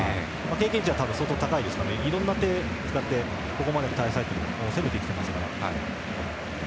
経験値は多分相当高いですからいろんな手を使ってここまで攻めてきていますから。